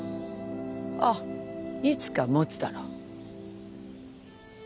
ああいつか持つだろ。